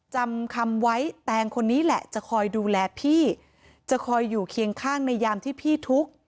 จำคำไว้แตงคนนี้แหละจะคอยดูแลพี่จะคอยอยู่เคียงข้างในยามที่พี่ทุกข์